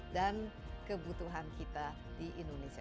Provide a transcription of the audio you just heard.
dan kebutuhan kita di indonesia